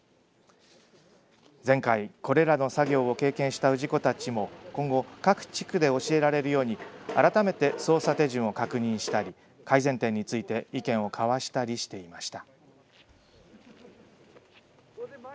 前回、これらの作業を経験した氏子たちも今後、各地区で教えられるように改めて操作手順を確認したり改善点について意見を交わしたりしていました。